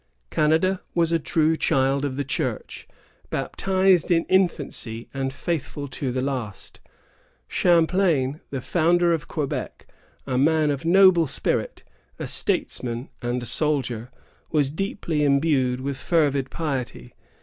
Canada was a true child of the Church, baptized in infancy and faithful to the last. Champlain, the founder of Quebec, a man of noble spirit, a statesman and a soldier, was deeply imbued with fervid piety.